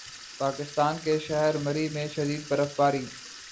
پاکستان کے شہر مری میں شدید برف باری